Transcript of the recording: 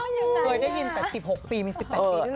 เมื่อได้ยินแต่๑๖ปีมัน๑๘ปีนี่หรอ